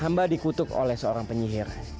hamba dikutuk oleh seorang penyihir